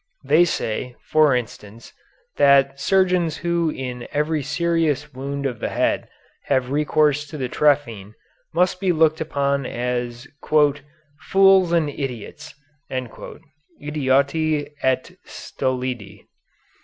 They say, for instance, that surgeons who in every serious wound of the head have recourse to the trephine must be looked upon as "fools and idiots" (idioti et stolidi).